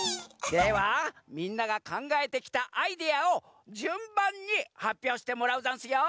ではみんながかんがえてきたアイデアをじゅんばんにはっぴょうしてもらうざんすよ！